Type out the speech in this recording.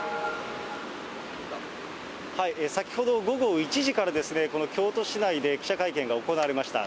先ほど、午後１時からこの京都市内で記者会見が行われました。